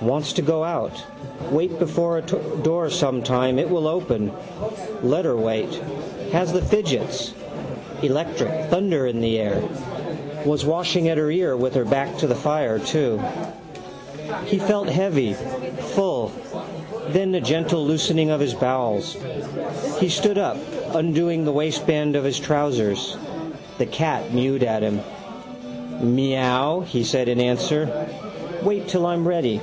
Wants to go out. Wait before a door sometime it will open. Let her wait. Has the fidgets. Electric. Thunder in the air. Was washing at her ear with her back to the fire too. He felt heavy, full: then a gentle loosening of his bowels. He stood up, undoing the waistband of his trousers. The cat mewed to him. —Miaow! he said in answer. Wait till I'm ready.